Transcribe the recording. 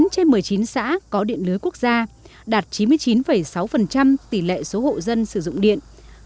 một mươi trên một mươi chín xã có điện lưới quốc gia đạt chín mươi chín sáu tỷ lệ số hộ dân sử dụng điện